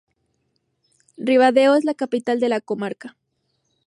Ribadeo es la capital de la comarca.